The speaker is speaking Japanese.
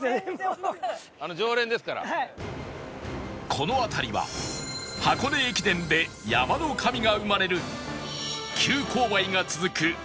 この辺りは箱根駅伝で山の神が生まれる急勾配が続く